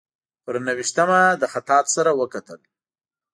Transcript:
پر نهه ویشتمه له خطاط سره وکتل.